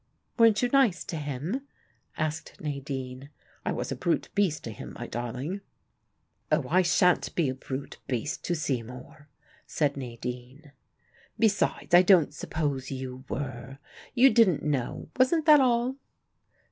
"Weren't you nice to him?" asked Nadine. "I was a brute beast to him, my darling." "Oh, I shan't be a brute beast to Seymour," said Nadine. "Besides, I don't suppose you were. You didn't know: wasn't that all?"